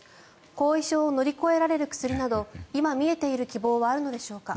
後遺症を乗り越えられる薬など今、見えている希望はあるのでしょうか。